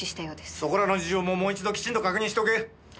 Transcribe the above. そこらの事情ももう一度きちんと確認しておけ。